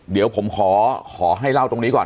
เดี๋ยวผมขอให้เล่าตรงนี้ก่อน